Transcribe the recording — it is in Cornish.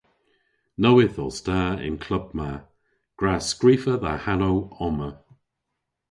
Nowydh os ta y'n klub ma. Gwra skrifa dha hanow omma.